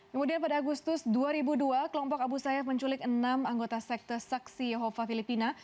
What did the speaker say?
kemudian pada agustus dua ribu dua kelompok abu sayyaf menculik enam anggota sekte saksi yahova filipina